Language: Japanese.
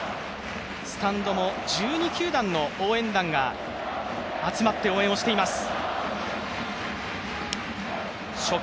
スタンドも１２球団の応援団が集まって応援をしています。